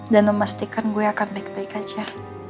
dan memastikan gue akan baik baik aja